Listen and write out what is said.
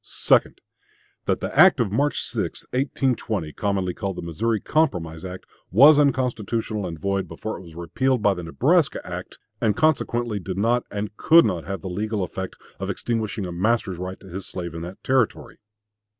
2d. That the act of March 6, 1820, commonly called the Missouri Compromise act, was unconstitutional and void before it was repealed by the Nebraska act, and consequently did not and could not have the legal effect of extinguishing a master's right to his slave in that Territory.